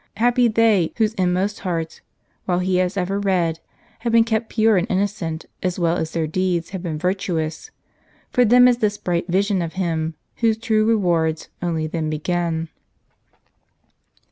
Happy they whose inmost hearts, which He has ever read, have been kept pure and innocent, as well as their deeds have been virtuous ! For them is this bright vision of Him, whose true rewards only then begin."